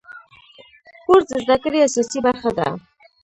کورس د زده کړې اساسي برخه ده.